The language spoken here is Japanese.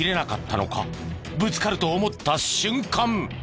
ぶつかると思った瞬間